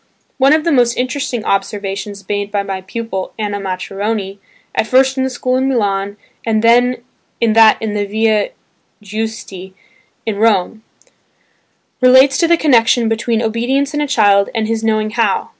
One of the most interesting observations made by my pupil Anna Maccheroni (at first in the school in Milan and then in that in the Via Guisti in Rome), relates to the connection between obedience in a child and his "knowing how."